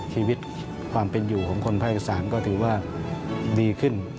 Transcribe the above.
ชีวิตความเป็นอยู่ของคนภาคอีสานก็ถือว่าดีขึ้น